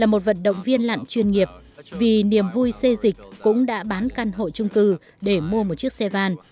là một vận động viên lặn chuyên nghiệp vì niềm vui xê dịch cũng đã bán căn hội chung cư để mua một chiếc xe van